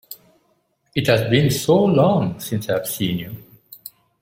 It has been so long since I have seen you!